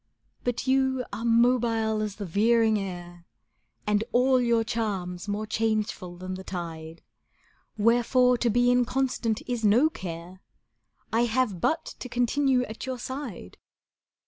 But you are mobile as the veering air, And all your charms more changeful than the tide, Wherefore to be inconstant is no care: I have but to continue at your side.